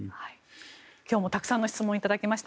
今日もたくさんの質問をいただきました。